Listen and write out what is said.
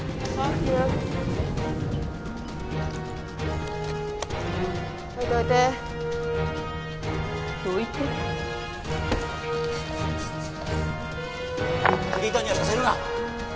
「フリーターにはさせるな！」